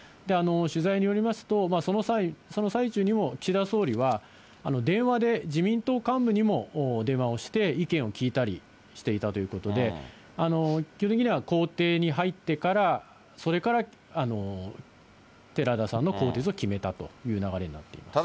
取材によりますと、その最中にも岸田総理は電話で自民党幹部にも電話をして意見を聞いたりしていたということで、基本的には公邸に入ってから、それから寺田さんの更迭を決めたという流れになっています。